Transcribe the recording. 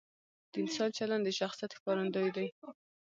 د انسان چلند د شخصیت ښکارندوی دی.